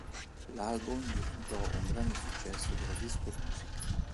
L'album diventò un grande successo della disco music.